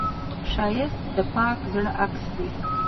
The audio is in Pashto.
ښایست د پاک زړه عکس دی